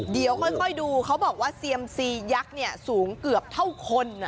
เดี๋ยวค่อยดูเขาบอกว่าเซียมซียักษ์สูงเกือบเท่าคน